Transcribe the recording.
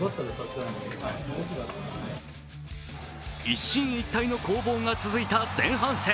一進一退の攻防が続いた前半戦。